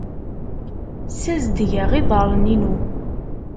Ssazedgeɣ iḍarren-inu.